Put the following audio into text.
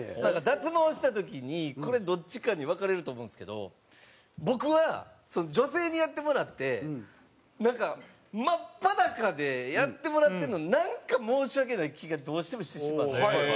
脱毛した時にこれどっちかに分かれると思うんですけど僕は女性にやってもらってなんか真っ裸でやってもらってるのなんか申し訳ない気がどうしてもしてしまって。